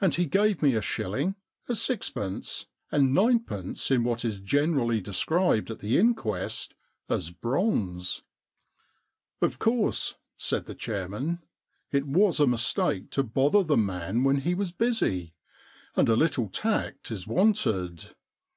And he gave me a shilling, a sixpence, and ninepence in what is generally described at the inquest as bronze.' * Of course,' said the chairman, * it was a mistake to bother the man when he was busy. And a little tact is wanted.